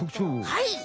はい！